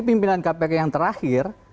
pimpinan kpk yang terakhir